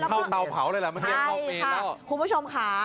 เข้าเตาเผาเลยแหละเมื่อกี้เข้าไปแล้ว